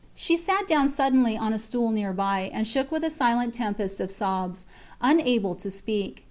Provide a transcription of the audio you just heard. She sat down suddenly on a stool near by, and shook with a silent tempest of sobs, unable to speak.